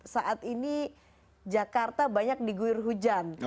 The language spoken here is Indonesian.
saat ini jakarta banyak diguir hujan